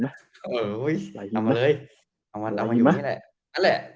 เอามาเลยเอามาอยู่นี่แหละ